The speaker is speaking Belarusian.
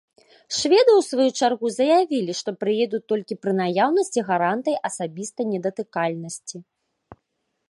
Шведы ў сваю чаргу заявілі, што прыедуць толькі пры наяўнасці гарантый асабістай недатыкальнасці.